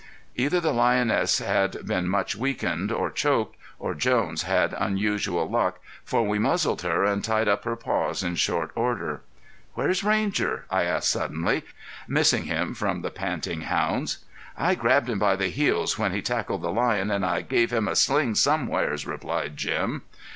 Either the lioness had been much weakened or choked, or Jones had unusual luck, for we muzzled her and tied up her paws in short order. "Where's Ranger?" I asked suddenly, missing him from the panting hounds. "I grabbed him by the heels when he tackled the lion, and I gave him a sling somewheres," replied Jim.